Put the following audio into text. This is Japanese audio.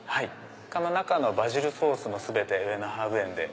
中のバジルソースも全て上のハーブ園で。